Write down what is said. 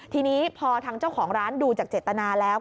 ทีนี้พอทางเจ้าของร้านดูจากเจตนาแล้ว